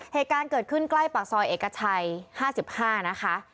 เหตุการณ์เกิดขึ้นใกล้ปากซอยเอกชัย๕๕นะคะ